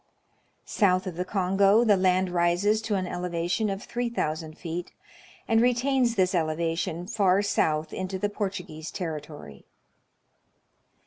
South of the Kongo the land rises to an elevation of 3 000 feet, and retains this elevation far south into the Portu guese territory.